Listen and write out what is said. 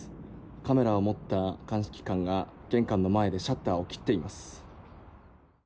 カメラを持った鑑識官が玄関の前でシャッターを切っています。